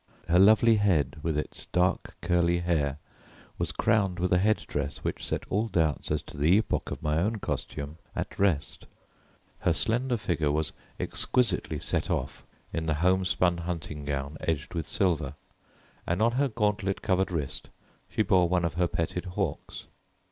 Her lovely head with its dark curly hair was crowned with a head dress which set all doubts as to the epoch of my own costume at rest. Her slender figure was exquisitely set off in the homespun hunting gown edged with silver, and on her gauntlet covered wrist she bore one of her petted hawks.